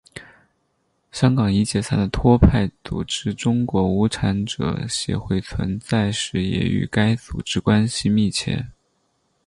香港已解散的托派组织中国无产者协会存在时也与该组织关系密切。